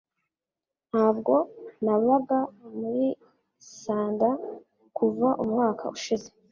Ntabwo nabaga muri Sanda kuva umwaka ushize.